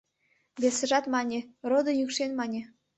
Весыжат мане «родет йӱкшен», мане